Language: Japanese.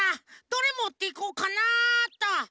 どれもっていこうかなっと。